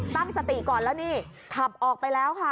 ตั้งสติก่อนแล้วนี่ขับออกไปแล้วค่ะ